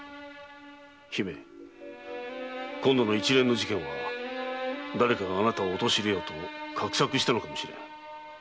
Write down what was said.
今度の一連の事件は誰かがあなたを陥れようと画策したのかもしれない。